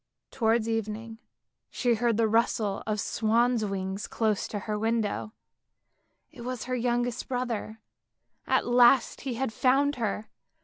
Towards evening she heard the rustle of swans' wings close to her window; it was her youngest brother, at last he had found her.